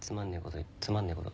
つまんねえこと。